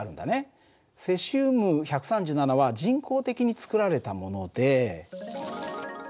セシウム１３７は人工的に作られたもので。